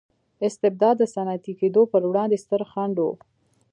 استبداد د صنعتي کېدو پروړاندې ستر خنډ و.